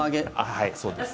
はい、そうです。